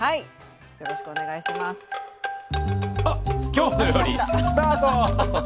「きょうの料理」スタート！